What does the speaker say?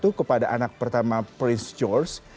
satu kepada anak pertama prince george